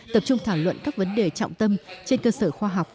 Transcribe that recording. tập trung thảo luận các vấn đề trọng tâm trên cơ sở khoa học